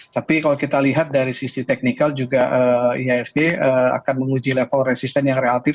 tapi kalau kita lihat dari sisi teknikal juga ihsg akan menguji level resisten yang relatif